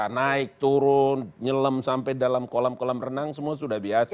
naik turun nyelem sampai dalam kolam kolam renang semua sudah biasa